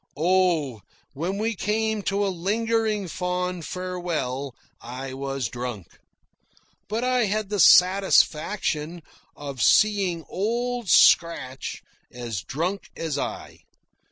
Oh, when we came to a lingering fond farewell, I was drunk. But I had the satisfaction of seeing Old Scratch as drunk as I.